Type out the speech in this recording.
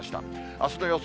あすの予想